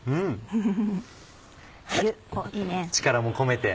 うん。